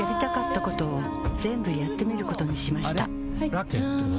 ラケットは？